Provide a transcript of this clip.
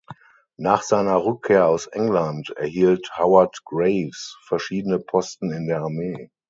Nach seiner Rückkehr aus England erhielt Howard Graves verschiedene Posten in der Armee.